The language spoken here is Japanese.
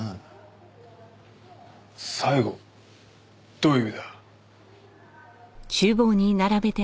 どういう意味だ？